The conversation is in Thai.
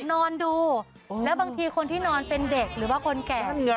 นอนดูแล้วบางทีคนที่นอนเป็นเด็กหรือว่าคนแก่